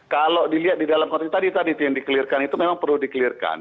kalau dilihat di dalam konteks tadi tadi yang dikelirkan itu memang perlu dikelirkan